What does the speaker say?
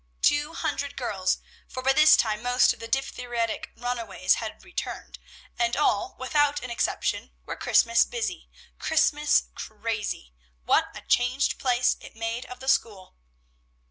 Two hundred girls, for by this time most of the diphtheritic runaways had returned, and all, without an exception, were Christmas busy! Christmas crazy! What a changed place it made of the school!